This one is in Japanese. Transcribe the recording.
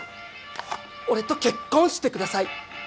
俺と結婚してください。